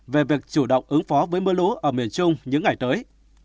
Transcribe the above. về việc chủ động ứng phó với mưa lũ ở miền trung những ngày tới